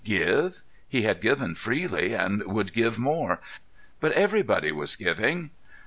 Give? He had given freely and would give more; but everybody was giving.